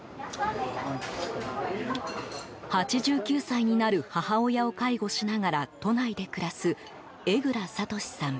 ８９歳になる母親を介護しながら都内で暮らす江蔵智さん。